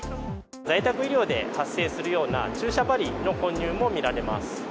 在宅医療で発生するような注射針の混入も見られます。